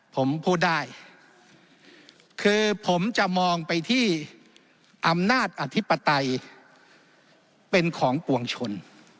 ผมพูดได้คือผมจะมองไปที่อำนาจอธิปไตยเป็นของปวงชน